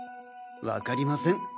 わかりません。